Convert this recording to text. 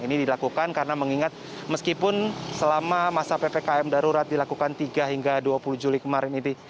ini dilakukan karena mengingat meskipun selama masa ppkm darurat dilakukan tiga hingga dua puluh juli kemarin ini